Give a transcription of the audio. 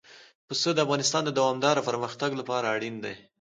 پسه د افغانستان د دوامداره پرمختګ لپاره اړین دي.